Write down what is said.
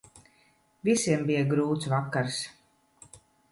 Visiem bija grūts vakars.